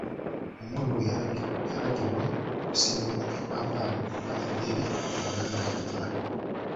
Omuwala oyo yalagibwa okusimba eppaapaali oba emmere enganda yonna.